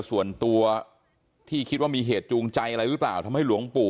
ส่วนตัวที่คิดว่ามีเหตุจูงใจอะไรหรือเปล่าทำให้หลวงปู่